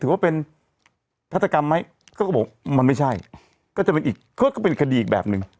ถือว่าเป็นฆาตกรรมไหมเขาก็บอกมันไม่ใช่ก็จะเป็นอีกก็เป็นคดีอีกแบบหนึ่ง